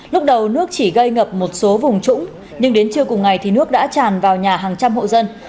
lúc đầu nước chỉ gây ngập một số vùng trũng nhưng đến trưa cùng ngày thì nước đã tràn vào nhà hàng trăm hộ dân